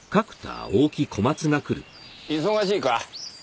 忙しいか？